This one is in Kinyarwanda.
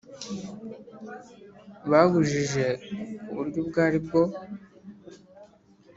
Babujije ku buryo ubwo ari bwo